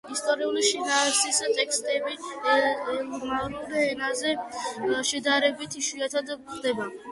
ისტორიული შინაარსის ტექსტები ელამურ ენაზე შედარებით იშვიათად გვხვდება.